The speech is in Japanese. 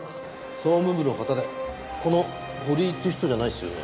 総務部の方でこの堀井っていう人じゃないですよね？